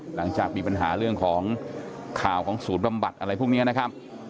หลังจากมีปัญหาเรื่องของข่าวของศูนย์บำบัดอะไรพวกนี้นะครับ